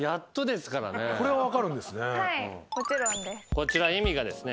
こちら意味がですね。